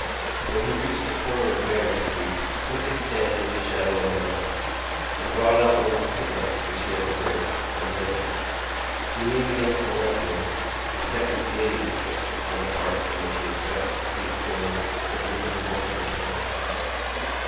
When he reached the corner of Merrion Street he took his stand in the shadow of a lamp and brought out one of the cigarettes which he had reserved and lit it. He leaned against the lamp post and kept his gaze fixed on the part from which he expected to see Corley and the young woman return.